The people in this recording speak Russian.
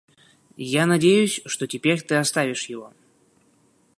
Я надеюсь, что теперь ты оставишь его.